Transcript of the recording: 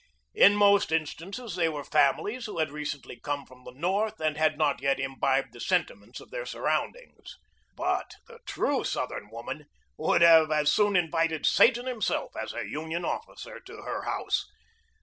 In most in stances they were families who had recently come from the North and had not yet imbibed the senti ments of their surroundings. But the true South ern woman would as soon have invited Satan him self as a Union officer to her house.